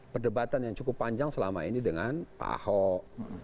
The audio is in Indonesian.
perdebatan yang cukup panjang selama ini dengan pak ahok